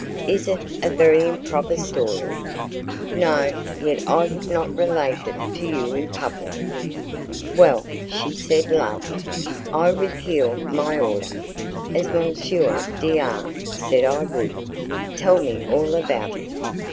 "Is it a very improper story?" "No: yet I would not relate it to you in public." "Well," she said, laughing, "I repeal my order, as M. D R said I would. Tell me all about it."